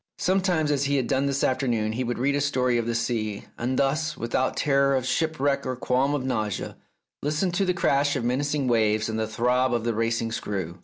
Sometimes, as he had done this afternoon, he would read a story of the sea, and thus, without terror of shipwreck or qualms of nausea, listen to the crash of menacing waves and the throb of the racing screw.